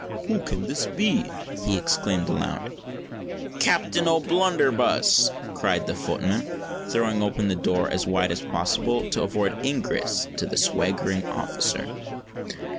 "Who can this be?" he exclaimed aloud. "Captain O'Blunderbuss!" cried the footman, throwing open the door as wide as possible to afford ingress to the swaggering officer.